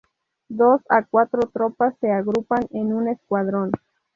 Dos a cuatro tropas se agrupan en un escuadrón.